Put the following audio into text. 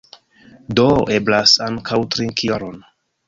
Do, eblas ankaŭ trinki oron.